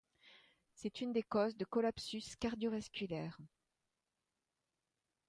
C'est une des causes de collapsus cardio-vasculaire.